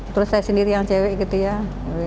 terus saya sendiri yang cewek gitu ya